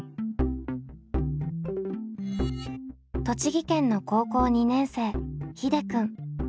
栃木県の高校２年生ひでくん。